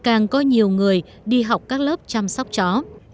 càng có nhiều người đi học các lớp chăm sóc chó